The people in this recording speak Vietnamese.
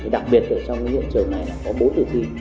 đặc biệt ở trong hiện trường này là có bốn thử thi